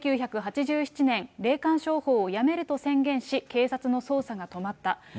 １９８７年、霊感商法をやめると宣言し、警察の捜査が止まった。